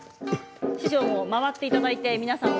師匠も回っていただいて皆さんのを。